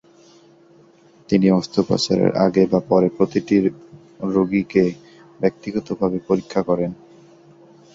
তিনি অস্ত্রোপচারের আগে বা পরে প্রতিটি রোগীকে ব্যক্তিগতভাবে পরীক্ষা করেন।